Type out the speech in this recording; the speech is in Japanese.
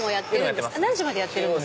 何時までやってるんですか？